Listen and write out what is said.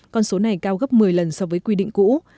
con số này cao gấp một mươi lần so với quy định cũ